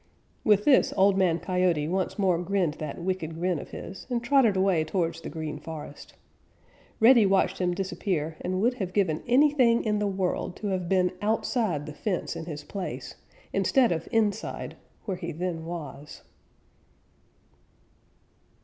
With this, Old Man Coyote once more grinned that wicked grin of his and trotted away towards the Green Forest. Reddy watched him disappear and would have given anything in the world to have been outside the fence in his place instead of inside, where he then was.